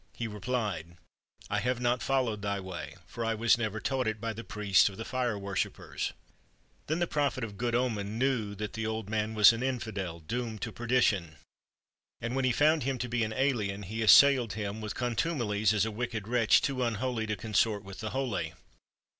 He replied: "I have not followed thy way, for I was never taught it by the priest of the Fire Worshipers." Then the Prophet of good omen knew that the old man was an Infidel, doomed to perdition. And when he found him to be an alien, he assailed him with contu melies as a wicked wretch too unholy to consort with the holy.